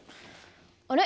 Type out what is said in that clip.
あれ？